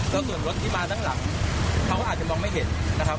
แล้วส่วนรถที่มาทั้งหลังเขาก็อาจจะมองไม่เห็นนะครับ